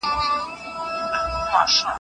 يوازېتوب انسان ته ډېر څه ور زده کوي .